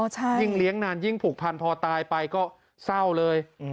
ยิ่งเลี้ยงนานยิ่งผูกพันพอตายไปก็เศร้าเลย